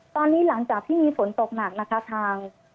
ตอนนี้หลังจากที่มีฝนตกหนักนะคะทาง